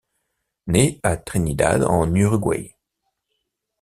Né à Trinidad, en Uruguay.